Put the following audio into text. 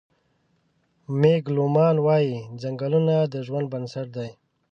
مېګ لومان وايي: "ځنګلونه د ژوند بنسټ دی.